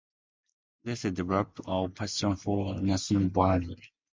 There she developed a passion for Natalie Barney.